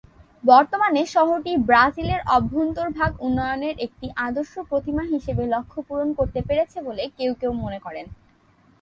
বর্তমানে শহরটি ব্রাজিলের অভ্যন্তরভাগ উন্নয়নের একটি আদর্শ প্রতিমা হিসেবে লক্ষ্য পূরণ করতে পেরেছে বলে কেউ কেউ মনে করেন।